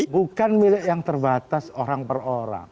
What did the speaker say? bukan milik yang terbatas orang per orang